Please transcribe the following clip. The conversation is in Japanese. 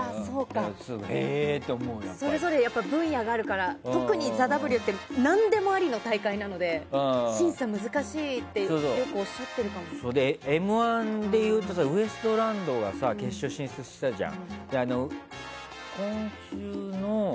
それぞれ分野があるから特に「ＴＨＥＷ」ってなんでもありの大会なので診査が難しいと、よく「Ｍ‐１」でいうとウエストランドが決勝進出したじゃん。